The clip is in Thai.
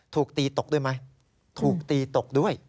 ถูกตีตกด้วยไหมถูกตีตกด้วย